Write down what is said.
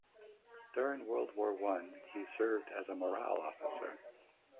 During World War One he served as a morale officer.